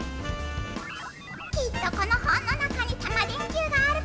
きっとこの本の中にタマ電Ｑがあるペラね。